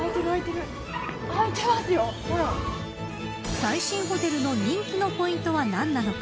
最新ホテルの人気のポイントは何なのか。